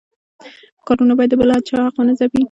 کارونه باید د بل چا حق ونه ځپي.